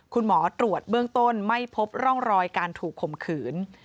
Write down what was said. คุณหมอตรวจเบื้องต้นไม่พบร่องรอยการถูกข่มขืน